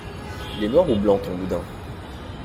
Il est noir ou blanc ton boudin?